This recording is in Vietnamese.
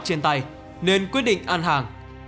trên tay nên quyết định ăn hàng